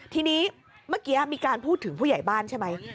ทีนี้เมื่อกี้มีการพูดถึงผู้ใหญ่บ้านใช่ไหม